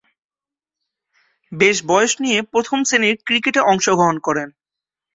বেশ বয়স নিয়ে প্রথম-শ্রেণীর ক্রিকেটে অংশগ্রহণ করেন।